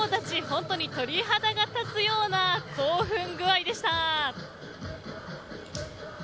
本当に鳥肌が立つような興奮具合でした。